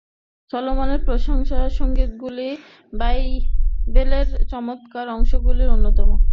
সলোমনের প্রার্থনা-সঙ্গীতগুলি বাইবেলের চমৎকার অংশগুলির অন্যতম।